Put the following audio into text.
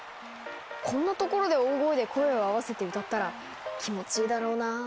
こんな所で大声で声を合わせて歌ったら気持ちいいだろうな。